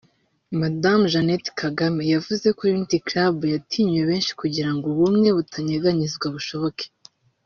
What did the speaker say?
Madamu Jeannette Kagame yavuze ko Unity Club yatinyuye benshi kugira ngo ubumwe butanyeganyezwa bushoboke